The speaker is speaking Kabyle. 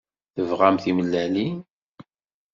Tebɣam timellalin?